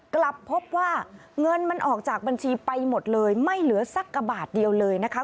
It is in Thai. กลับพบว่าเงินมันออกจากบัญชีไปหมดเลยไม่เหลือสักกระบาทเดียวเลยนะคะ